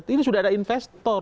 ini sudah ada investor